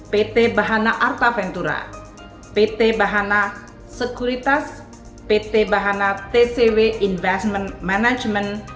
pt bahana arta ventura pt bahana sekuritas pt bahana tcw investment management